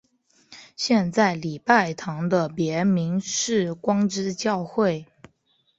现在礼拜堂的别名是光之教会。